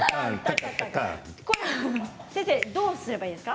先生どうすればいいですか？